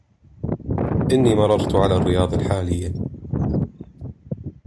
إني مررت على الرياض الحاليه